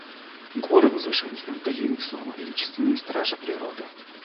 Горы возвышались над долиной, словно величественные стражи природы.